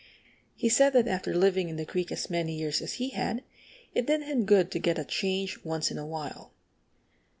He said that after living in the creek as many years as he had it did him good to get a change once in a while.